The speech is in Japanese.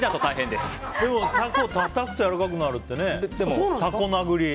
でも、タコはやわらかくなるってね。